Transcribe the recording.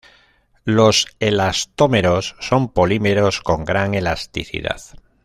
Los elastómeros son polímeros con gran elasticidad.